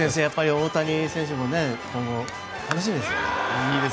大谷選手も今後、楽しみです。